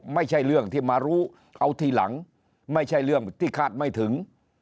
ไม่ใช่เรื่องที่มารู้เอาทีหลังไม่ใช่เรื่องที่คาดไม่ถึง